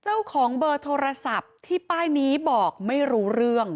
เจ้าของเบอร์โทรศัพท์ที่ป้ายนี้บอกไม่รู้เรื่อง